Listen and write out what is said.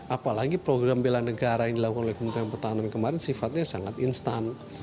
apalagi program bela negara yang dilakukan oleh kementerian pertahanan kemarin sifatnya sangat instan